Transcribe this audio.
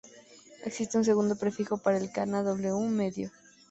Existe un segundo prefijo para el kana "w" medio.